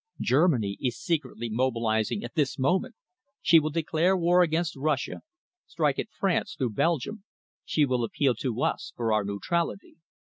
Germany is secretly mobilising at this moment. She will declare war against Russia, strike at France through Belgium. She will appeal to us for our neutrality."